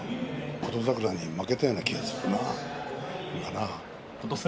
琴櫻に負けたような気がするな。